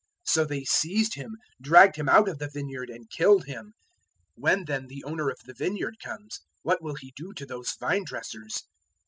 021:039 "So they seized him, dragged him out of the vineyard, and killed him. 021:040 When then the owner of the vineyard comes, what will he do to those vine dressers?"